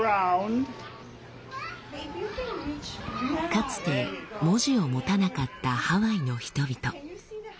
かつて文字を持たなかったハワイの人々。